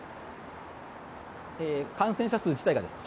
感染者数自体がですか。